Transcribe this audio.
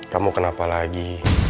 kamu kenapa lagi